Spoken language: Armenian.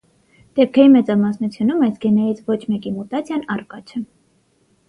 Դեպքերի մեծամասնությունում այս գեներից ոչ մեկի մուտացիան առկա չէ։